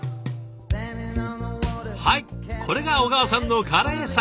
はいこれが小川さんのカレーサラメシ。